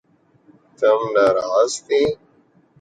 تم ناراض تھیں